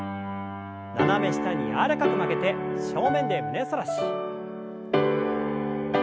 斜め下に柔らかく曲げて正面で胸反らし。